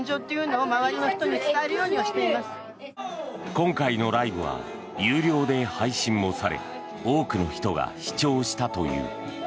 今回のライブは有料で配信もされ多くの人が視聴したという。